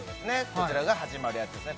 こちらが始まるやつですね